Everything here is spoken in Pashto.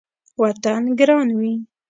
وطن ګران وي